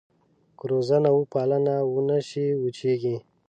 که روزنه وپالنه ونه شي وچېږي.